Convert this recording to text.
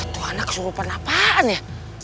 tuh anak keseluruhan apaan ya